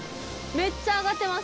めっちゃ上がってます？